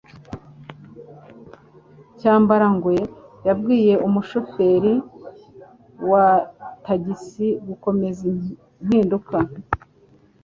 Cyabarangwe yabwiye umushoferi wa tagisi gukomeza impinduka.